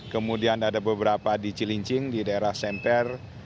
kemudian ada beberapa di cilincing di daerah semper